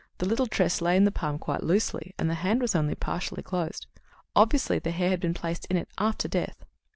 The little tress lay in the palm quite loosely and the hand was only partially closed. Obviously the hair had been placed in it after death.